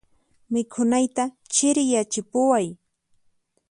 Mikhunayta chiriyachipuway.